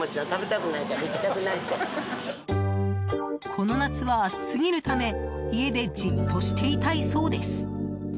この夏は暑すぎるため家でじっとしていたいそうです。